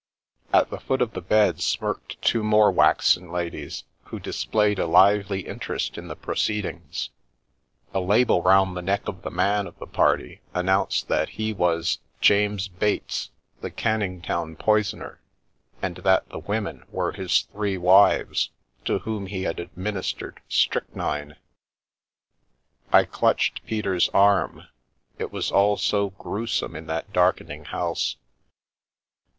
At the foot of the bed smirked two more waxen ladies, who displayed a lively interest in the proceedings. A label round the neck of the man of the party announced that he was "J!ames Bates, the Can ning Town poisoner," and that the women were his three wives, to whom he had administered strychnine. I clutched Peter's arm ; it was all so gruesome in that dark ening house.